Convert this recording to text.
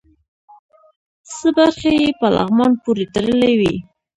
څه برخې یې په لغمان پورې تړلې وې.